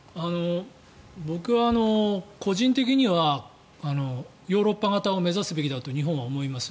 僕、個人的にはヨーロッパ型を目指すべきだと日本は思います。